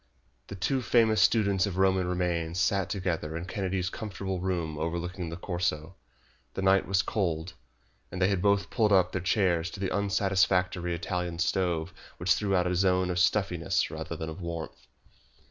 The two famous students of Roman remains sat together in Kennedy's comfortable room overlooking the Corso. The night was cold, and they had both pulled up their chairs to the unsatisfactory Italian stove which threw out a zone of stuffiness rather than of warmth.